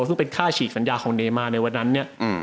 ซึ่งเป็นค่าฉีกสัญญาของเนมาในวันนั้นเนี่ย